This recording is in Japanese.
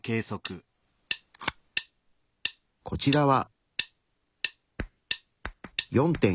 こちらは。